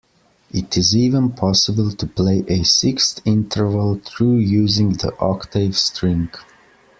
It is even possible to play a sixth interval, through using the octave string.